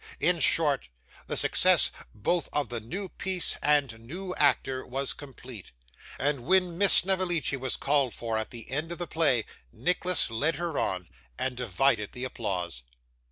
In short, the success both of new piece and new actor was complete, and when Miss Snevellicci was called for at the end of the play, Nicholas led her on, and divided the applause.